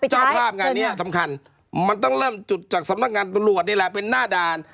เจ้าภาพงานนี้สำคัญมันต้องเริ่มจุดจากสำนักงานตำรวจนี่แหละเป็นหน้าด่าน